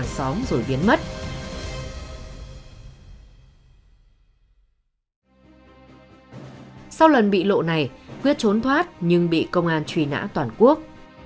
sau lần bị lộ này quyết trốn thoát nhưng bị công an truy nã toàn quốc